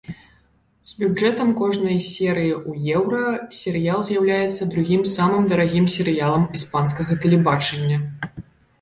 З бюджэтам кожнай серыі ў еўра серыял з'яўляецца другім самым дарагім серыялам іспанскага тэлебачання.